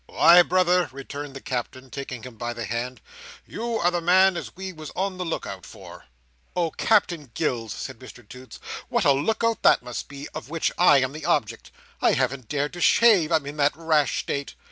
"Why, Brother," returned the Captain, taking him by the hand, "you are the man as we was on the look out for." "Oh, Captain Gills," said Mr Toots, "what a look out that must be, of which I am the object! I haven't dared to shave, I'm in that rash state.